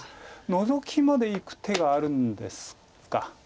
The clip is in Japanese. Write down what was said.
ノゾキまでいく手があるんですか。